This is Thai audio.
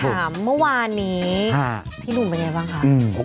เมื่อวานนี้พี่หนุ่มเป็นไงบ้างคะ